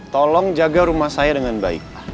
tolong jaga rumah saya dengan baik